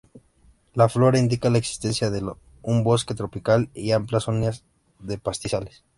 La flora indica la existencia de un bosque tropical y amplias zonas de pastizales.